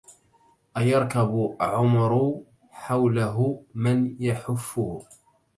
أيركب عمرو حوله من يحفه